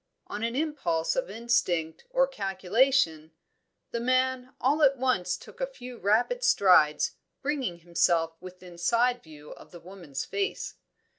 On an impulse of instinct or calculation, the man all at once took a few rapid strides, bringing himself within sideview of the woman's face.